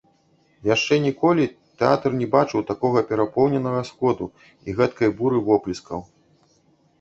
Яшчэ ніколі тэатр не бачыў такога перапоўненага сходу і гэткай буры воплескаў.